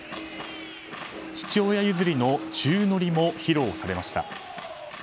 父親譲りの宙乗りも披露されました。